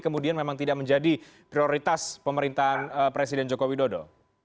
kemudian memang tidak menjadi prioritas pemerintahan presiden joko widodo